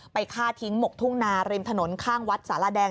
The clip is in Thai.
ฆ่าทิ้งหมกทุ่งนาริมถนนข้างวัดสารแดง